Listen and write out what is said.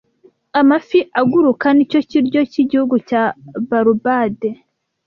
Amafi aguruka nicyo kiryo cyigihugu cya Barubade